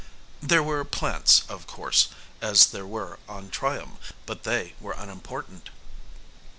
There were plants, of course, as there were on Triom, but they were unimportant.